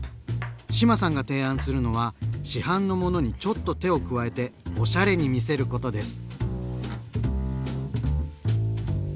志麻さんが提案するのは市販のものにちょっと手を加えておしゃれに見せることです。